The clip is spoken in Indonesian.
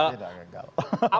jadi agak gagal